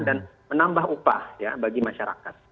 dan menambah upah ya bagi masyarakat